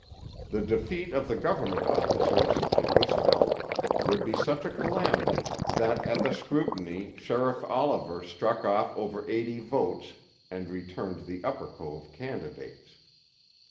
The defeat of the government officers, it was felt, would be such a calamity that at the scrutiny Sheriff Oliver struck off over eighty votes, and returned the Upper Cove candidates.